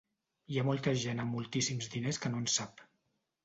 Hi ha molta gent amb moltíssims diners que no en sap.